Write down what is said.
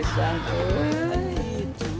kasih pisang cuk